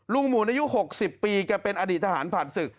หมุนอายุ๖๐ปีแกเป็นอดีตทหารผ่านศึก